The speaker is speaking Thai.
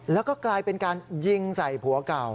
แล้วก็กลายเป็นการยิงใส่ผัวเก่า